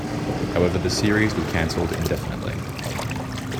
However, the series was canceled indefinitely.